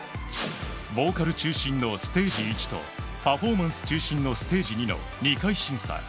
ボーカル中心のステージ１と、パフォーマンス中心ステージの２回審査。